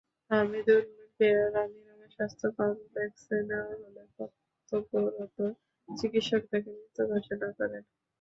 হামিদুলকে রানীনগর স্বাস্থ্য কমপ্লেক্সে নেওয়া হলে কর্তব্যরত চিকিৎসক তাঁকে মৃত ঘোষণা করেন।